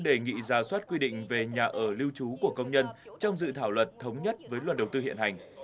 đề nghị ra soát quy định về nhà ở lưu trú của công nhân trong dự thảo luật thống nhất với luật đầu tư hiện hành